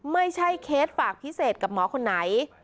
เคสฝากพิเศษกับหมอคนไหน